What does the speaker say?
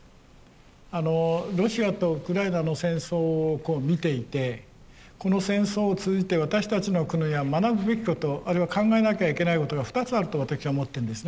あのロシアとウクライナの戦争を見ていてこの戦争を通じて私たちの国が学ぶべきことあるいは考えなきゃいけないことが２つあると私は思ってるんですね。